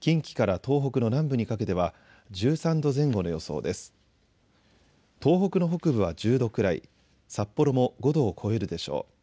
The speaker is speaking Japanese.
東北の北部は１０度くらい、札幌も５度を超えるでしょう。